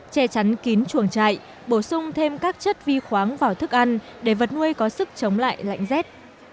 cắn kín chuồng chạy bổ sung thêm các chất vi khoáng vào thức ăn để vật nuôi có sức chống lại lạnh rét